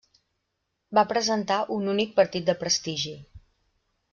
Va presentar un únic partit de prestigi.